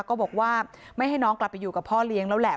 ก็บอกว่าไม่ให้น้องกลับไปอยู่กับพ่อเลี้ยงแล้วแหละ